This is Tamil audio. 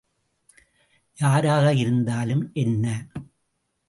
யாராக இருந்தாலும் என்ன?